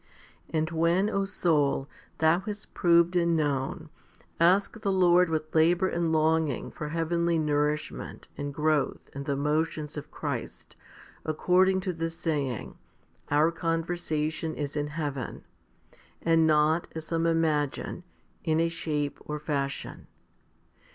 And when, O soul, thou hast proved and known, ask the Lord with labour and longing for heavenly nourishment and growth and the motions of Christ, accord ing to the saying, Our conversation is in heaven,* and not, as some imagine, in a shape or fashion.